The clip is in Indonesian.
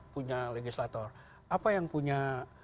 punya legislator apa yang punya